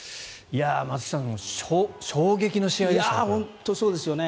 松木さん、衝撃の試合でしたね。